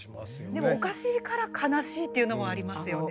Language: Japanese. でもおかしいから悲しいっていうのもありますよね。